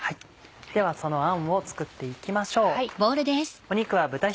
ではそのあんを作って行きましょう。